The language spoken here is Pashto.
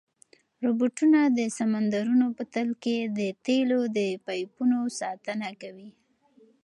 روبوټونه د سمندرونو په تل کې د تېلو د پایپونو ساتنه کوي.